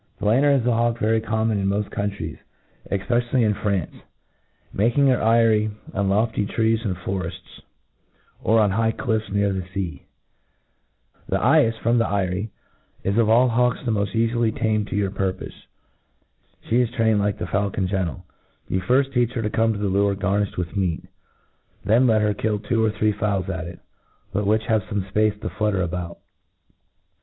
THE lanner is a hawk very common in moft countries, efpecially in France, making her ey rie MODERN FAULCONRY, 237 tie on lofty trees in forefts^ or on high cliff$ near the fca* The eyefs from the eyrie is of all hawks the jnoft eafily tamed to your purpofc. She is tr^n*? ed like the faulcon gentle. You firft teach her to com? to the lure gamiflied wth meat. Then let her kill twc) or three fowls at it, l)ut which have fome fpace to flutter about it.